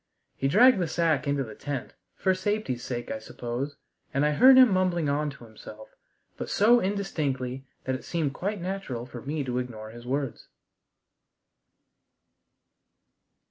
He dragged the sack into the tent, for safety's sake, I suppose, and I heard him mumbling on to himself, but so indistinctly that it seemed quite natural for me to ignore his words.